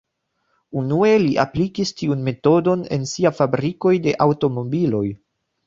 Unue li aplikis tiun metodon en sia fabrikoj de aŭtomobiloj.